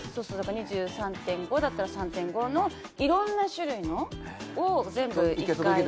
だから２３．５だったら３．５のいろんな種類のを全部一回。